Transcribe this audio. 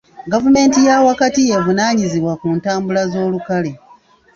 Gavumenti y'awakati y'evunaanyizibwa ku ntambula z'olukale.